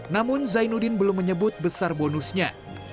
namun zainuddin belum menyebut besar bonusnya